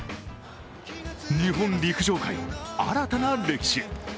日本陸上界新たな歴史へ。